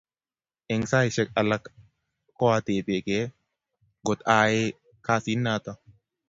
eng' saishek alak ko atebe gei kot a ae kasit niton